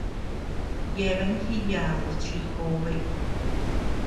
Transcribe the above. Yeabean jiyadus chi jobe.